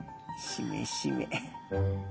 しめしめ。